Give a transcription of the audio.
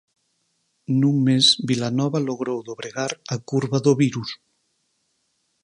Nun mes Vilanova logrou dobregar a curva do virus.